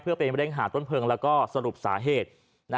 เพื่อไปเร่งหาต้นเพลิงแล้วก็สรุปสาเหตุ